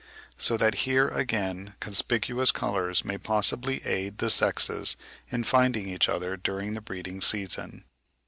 So that here again conspicuous colours may possibly aid the sexes in finding each other during the breeding season.)